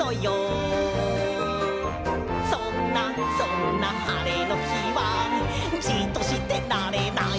「そんなそんな晴れの日はじっとしてられない！」